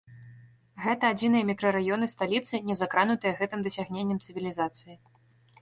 Гэта адзіныя мікрараёны сталіцы, не закранутыя гэтым дасягненнем цывілізацыі.